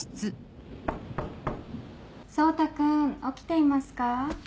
蒼汰君起きていますか？